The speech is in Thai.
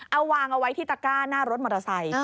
เอาวางเอาไว้ที่ตะก้าหน้ารถมอเตอร์ไซค์